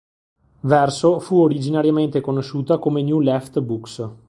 Verso fu originariamente conosciuta come New Left Books.